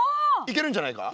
いけるんじゃないか？